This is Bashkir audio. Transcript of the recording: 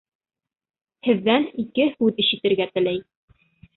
Һеҙҙән ике һүҙ ишетергә теләй.